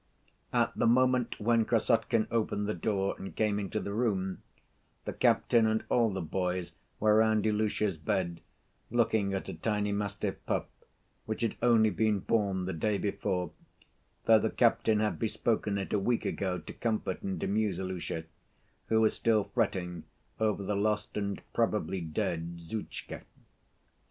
At the moment when Krassotkin opened the door and came into the room, the captain and all the boys were round Ilusha's bed, looking at a tiny mastiff pup, which had only been born the day before, though the captain had bespoken it a week ago to comfort and amuse Ilusha, who was still fretting over the lost and probably dead Zhutchka.